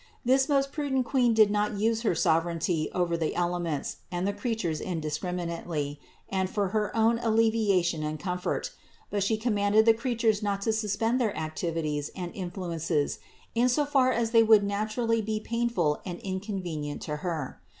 This most prudent Queen did not use her sovereignty over the elements and the creatures indiscriminately and for her own alleviation and comfort ; but She commanded the creatures not to suspend their activities and influences in as far as they would naturally be painful and incon venient to Her.